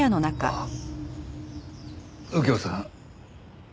あっ右京さん。